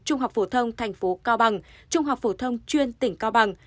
trung học phổ thông tp cao bằng trung học phổ thông chuyên tỉnh cao bằng